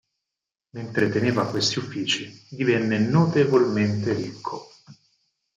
Mentre teneva questi uffici, divenne notevolmente ricco.